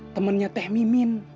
temennya teh mimin